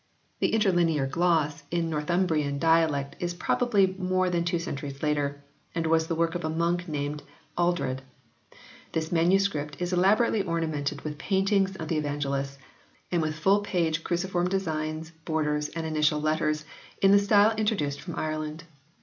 The interlinear gloss in the Northum berland dialect is probably more than two centuries later, and was the work of a monk named Aldred. This MS. is elaborately ornamented with paintings of the Evangelists ; and with full page cruciform designs, borders and initial letters, in the style introduced from Ireland.